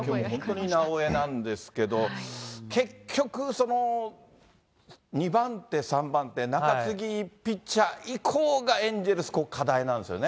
本当にきょうも残念なんですけれども、結局、２番手、３番手、中継ぎ、ピッチャー以降が、エンゼルス、課題なんですよね。